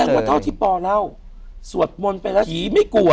แสดงว่าเถ้าที่ปอกลาวสวดมนตร์ไปแล้วก็ผีไม่กลัว